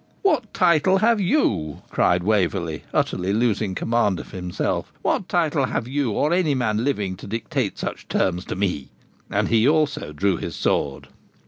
'What title have you,' cried Waverley, utterly losing command of himself 'what title have you, or any man living, to dictate such terms to me?' And he also drew his sword.